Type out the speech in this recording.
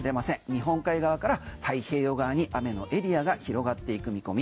日本海側から太平洋側に雨のエリアが広がっていく見込み。